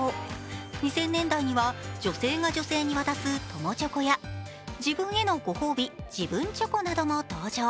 ２０００年代には女性が女性に渡す友チョコや自分へのご褒美、自分チョコなども登場。